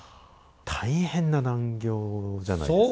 大変な難行じゃないですか？